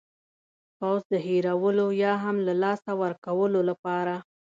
پوځ د هېرولو یا هم له لاسه ورکولو لپاره.